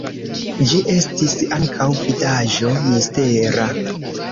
Ĝi estis ankaŭ vidaĵo mistera.